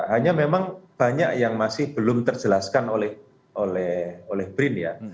hanya memang banyak yang masih belum terjelaskan oleh brin ya